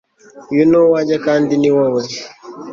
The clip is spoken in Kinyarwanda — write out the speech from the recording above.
uyu ni uwanjye, kandi niwowe